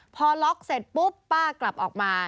พอล็อกเสร็จปุ๊บป้ากลับออกมา